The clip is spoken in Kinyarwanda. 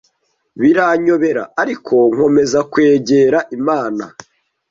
Biranyobera, ariko nkomeza kwegera Imana